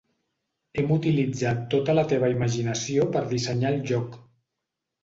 Hem utilitzat tota la teva imaginació per dissenyar el lloc.